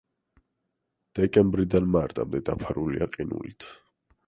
დეკემბრიდან მარტამდე დაფარულია ყინულით.